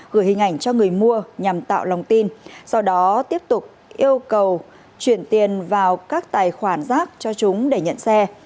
gửi hình ảnh cho người mua nhằm tạo lòng tin sau đó tiếp tục yêu cầu chuyển tiền vào các tài khoản giác cho chúng để nhận xe